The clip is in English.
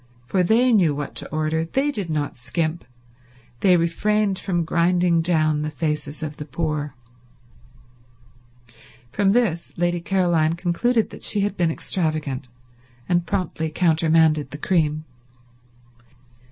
For they knew what to order; they did not skimp; they refrained from grinding down the faces of the poor. From this Lady Caroline concluded that she had been extravagant, and promptly countermanded the cream.